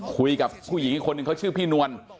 คุยกับผู้หญิงอีกคนนึงเขาชื่อพี่นวล